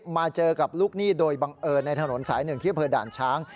มาเจอกับลูกหนี้โดยบังเอิญในถนนสายหนึ่งที่อำเภอด่านช้าง